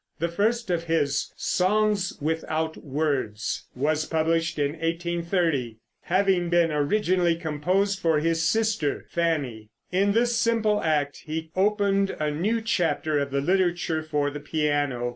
The first of his "Songs without Words" was published in 1830, having been originally composed for his sister Fanny. In this simple act he opened a new chapter of the literature for the piano.